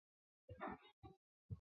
我只能获得这个答案